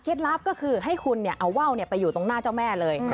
ลับก็คือให้คุณเอาว่าวไปอยู่ตรงหน้าเจ้าแม่เลย